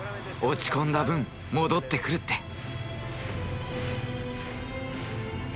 「落ち込んだ分戻ってくる」って。